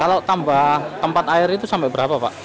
kalau tambah tempat air itu sampai berapa pak